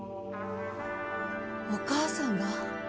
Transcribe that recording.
お義母さんが？